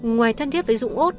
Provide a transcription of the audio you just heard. ngoài thân thiết với dũng út